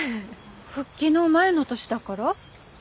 復帰の前の年だから７年？